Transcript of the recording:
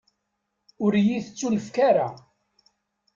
Ur yi-tettunefk ara.